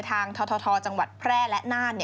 ททจังหวัดแพร่และน่าน